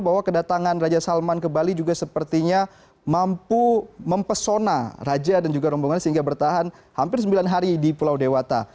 bahwa kedatangan raja salman ke bali juga sepertinya mampu mempesona raja dan juga rombongan sehingga bertahan hampir sembilan hari di pulau dewata